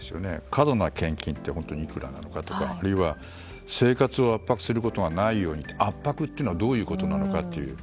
過度な献金って本当にいくらなのかとかあるいは生活を圧迫することがないようにって圧迫っていうのはどういうことなのかという。